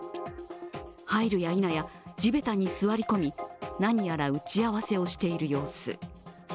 入るやいなや、地べたに座り込み何やら打ち合わせをしている様子。